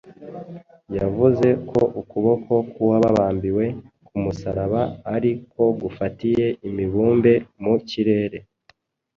Yavuze ko ukuboko k’uwababambiwe ku musaraba ari ko gufatiye imibumbe mu kirere